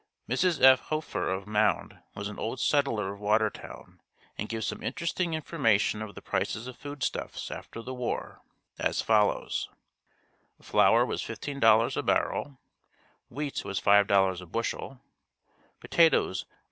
Mrs. F. Hoefer of Mound was an old settler of Watertown, and gives some interesting information of the prices of food stuffs after the war, as follows: "Flour was $15 a barrel, wheat was $5 a bushel, potatoes were $2.